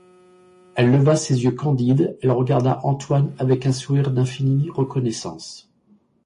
Elle leva ses yeux candides, elle regarda Antoine avec un sourire d'infinie reconnaissance.